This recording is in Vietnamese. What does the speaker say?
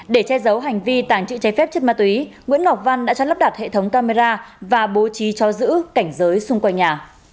để che giấu hành vi tàng trữ trái phép chất ma túy nguyễn ngọc văn đã cho lắp đặt hệ thống camera và bố trí cho giữ cảnh giới xung quanh nhà